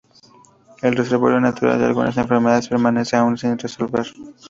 El reservorio natural de algunas enfermedades permanece aún sin resolver.